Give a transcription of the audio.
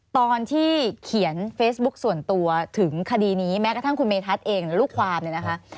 ตอนที่เขียนเฟซบุ๊คส่วนตัวถึงคดีนี้แม้กระทั่งคุณเมทัศน์เองหรือลูกความเนี่ยนะคะ